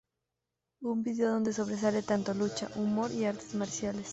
Un vídeo donde sobresale tanto lucha, humor y artes marciales.